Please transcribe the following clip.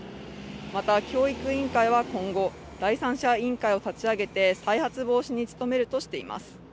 また、教育委員会は今後、第三者委員会を立ち上げて再発防止に努めるとしています。